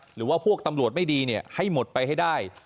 หรือว่าพวกตำรวจไม่ดีให้หมดไปให้ได้